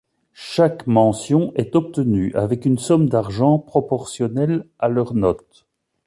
Chaque mention est obtenue avec une somme d'argent proportionnelle à leur note.